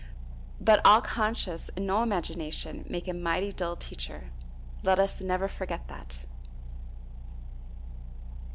But all conscience and no imagination make a mighty dull teacher! Let us never forget that.